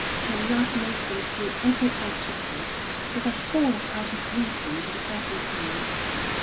Their love made them feel every act of his with a force out of reason to the circumstance.